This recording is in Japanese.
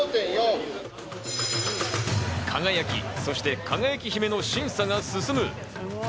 「輝」、そして「輝姫」の審査が進む。